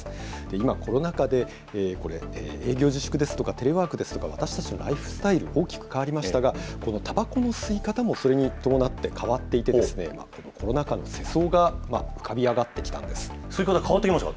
今、コロナ禍で、営業自粛ですとか、テレワークですとか、私たちのライフスタイル、大きく変わりましたが、このたばこの吸い方も、それに伴って変わっていて、コロナ禍の世吸い方、変わってきましたか？